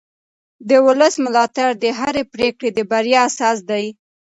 د ولس ملاتړ د هرې پرېکړې د بریا اساس دی